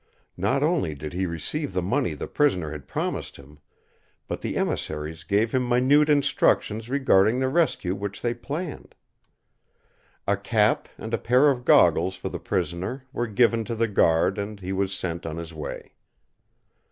Not only did he receive the money the prisoner had promised him, but the emissaries gave him minute instructions regarding the rescue which they planned. A cap and a pair of goggles for the prisoner were given to the guard and he was sent on his way.